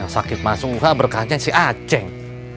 sakit masuk berkacang si aceng